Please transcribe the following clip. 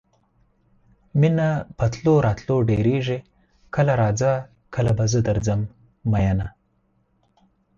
مینه په تلو راتلو ډیریږي کله راځه کله به زه درځم میینه